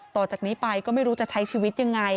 ต่อจากนี้ไปก็ไม่รู้จะใช้ชีวิตยังไง